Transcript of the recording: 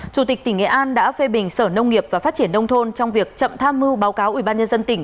chủ tịch tỉnh nghệ an đã phê bình sở nông nghiệp và phát triển nông thôn trong việc chậm tham mưu báo cáo ubnd tỉnh